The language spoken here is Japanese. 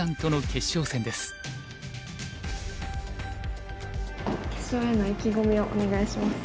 決勝への意気込みをお願いします。